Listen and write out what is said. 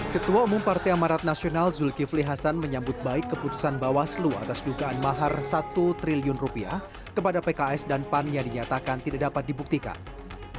ketua umum partai amarat nasional zulkifli hasan menyambut baik keputusan bawaslu atas dugaan mahar satu triliun rupiah kepada pks dan pan yang dinyatakan tidak dapat dibuktikan